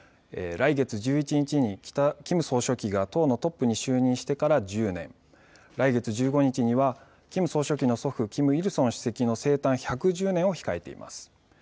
来月１１日にキム総書記が党のトップに就任してから１０年、来月１５日にはキム総書記の祖父、キム・イルソン主席の生誕１１０年を控えています。